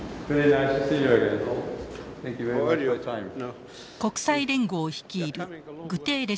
国際連合を率いるグテーレス事務総長。